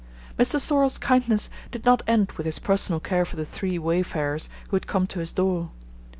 Mr. Sorlle's kindness did not end with his personal care for the three wayfarers who had come to his door.